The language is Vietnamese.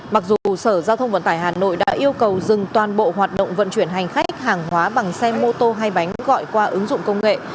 mặc dù sở giao thông vận tải hà nội đã yêu cầu dừng toàn bộ hoạt động vận chuyển hành khách hàng hóa bằng xe mô tô hay bánh gọi qua ứng dụng công nghệ